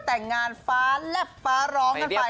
แต่งงานฟ้าและฟ้าร้องกันฝ่ายกัน